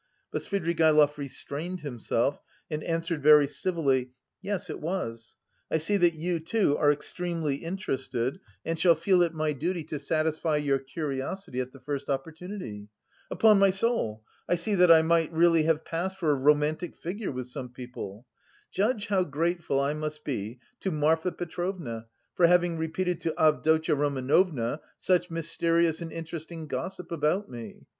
But Svidrigaïlov restrained himself and answered very civilly: "Yes, it was. I see that you, too, are extremely interested and shall feel it my duty to satisfy your curiosity at the first opportunity. Upon my soul! I see that I really might pass for a romantic figure with some people. Judge how grateful I must be to Marfa Petrovna for having repeated to Avdotya Romanovna such mysterious and interesting gossip about me.